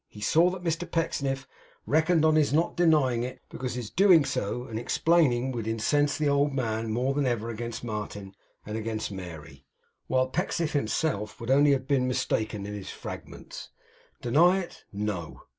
He saw that Mr Pecksniff reckoned on his not denying it, because his doing so and explaining would incense the old man more than ever against Martin and against Mary; while Pecksniff himself would only have been mistaken in his 'fragments.' Deny it! No.